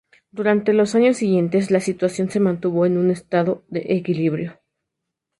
Durante los dos años siguientes, la situación se mantuvo en un estado de equilibrio.